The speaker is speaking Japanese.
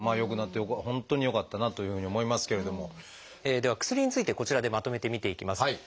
では薬についてこちらでまとめて見ていきます。